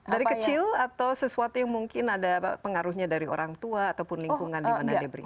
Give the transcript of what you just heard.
dari kecil atau sesuatu yang mungkin ada pengaruhnya dari orang tua ataupun lingkungan dimana dia beri